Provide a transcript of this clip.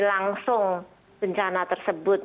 langsung bencana tersebut